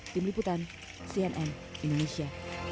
tim liputan cnn indonesia